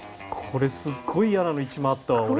これすっごい嫌なの１枚あったわ俺。